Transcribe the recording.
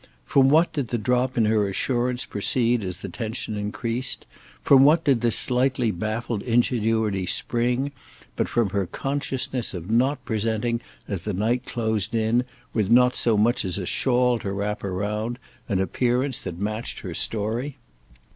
From what did the drop in her assurance proceed as the tension increased—from what did this slightly baffled ingenuity spring but from her consciousness of not presenting, as night closed in, with not so much as a shawl to wrap her round, an appearance that matched her story?